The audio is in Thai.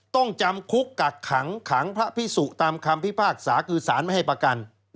ต้องจำคุกกักขังขังพระพิสุตามคำพิพากษาคือสารไม่ให้ประกัน